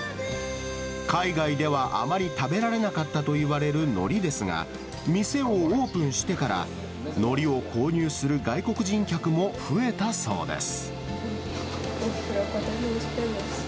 海外ではあまり食べられなかったといわれるのりですが、店をオープンしてから、のりを購入する外国人客も増えたそうです。